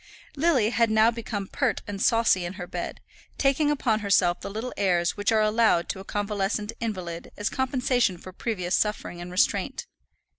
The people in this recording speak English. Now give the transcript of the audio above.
Lily had now become pert and saucy in her bed, taking upon herself the little airs which are allowed to a convalescent invalid as compensation for previous suffering and restraint.